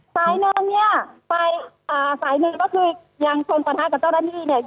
สายหนึ่งเนี่ยไปสายหนึ่งก็คือยังคนสวรรษะกับต้นตาด้านนี้เนี่ย